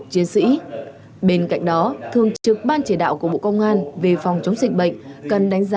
chiến sĩ bên cạnh đó thường trực ban chỉ đạo của bộ công an về phòng chống dịch bệnh cần đánh giá